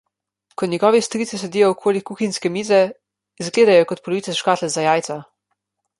Ko njegovi strici sedijo okoli kuhinjske mize, izgledajo kot polovica škatle za jajca.